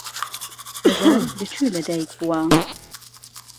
هەژار لە کوێ لەدایک بووە؟